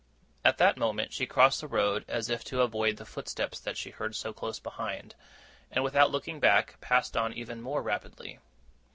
At that moment she crossed the road, as if to avoid the footsteps that she heard so close behind; and, without looking back, passed on even more rapidly.